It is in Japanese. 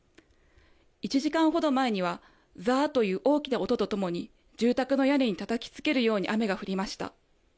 １時間ほど前には、ざーっという大きな音と共に、住宅の屋根にたたきつけるように雨が降りました。